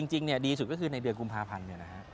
จริงดีสุดก็คือในเดือนกุมภาพันธุ์เนี่ยนะครับ